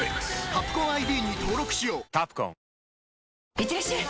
いってらっしゃい！